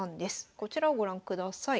こちらをご覧ください。